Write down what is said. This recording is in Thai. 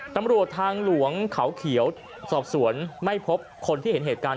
ตำรวจทางหลวงเขาเขียวสอบสวนไม่พบคนที่เห็นเหตุการณ์